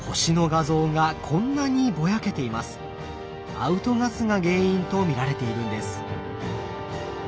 アウトガスが原因と見られているんです。